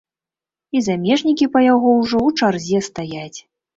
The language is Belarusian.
І замежнікі па яго ўжо ў чарзе стаяць.